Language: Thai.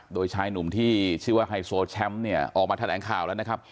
โดยชายหนุ่มที่ชื่อว่าไฮโซแชมป์เนี่ยออกมาแถลงข่าวแล้วนะครับ